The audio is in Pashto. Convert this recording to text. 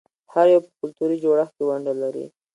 هر یو په کلتوري جوړښت کې ونډه لري.